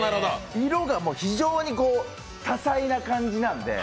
色が非常に多彩な感じなので。